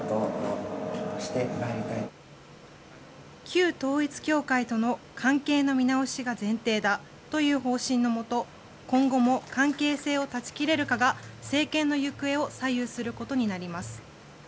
旧統一教会との関係の見直しが前提だという方針のもと今後も関係性を断ち切れるかが政権の行方を左右することになります。